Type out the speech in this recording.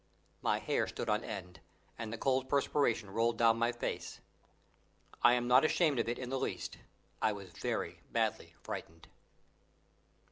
My hair stood on end, and the cold perspiration rolled down my face. I am not ashamed of it in the least: I was very badly frightened.